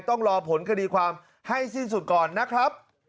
ต้องรอผลคดีความให้สิ้นสุดก่อนนะครับ